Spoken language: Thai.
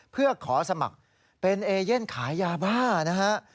เพื่อขอสมัครเป็นเอเย่นขายยาบ้านะฮะ